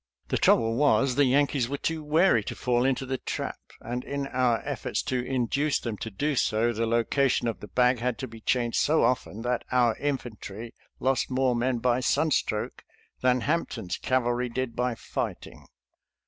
The trouble was the Yankees were too wary to fall into the trap, and in our efforts to induce them to do so the location of the bag had to be changed so often that our infantry lost more men by sunstroke than Hampton's cavalry did by fighting.